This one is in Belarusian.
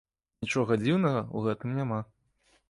Нічога дзіўнага ў гэтым няма.